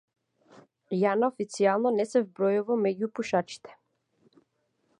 Јања официјално не се вбројува меѓу пушачите.